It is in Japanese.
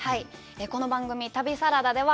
この番組、旅サラダでは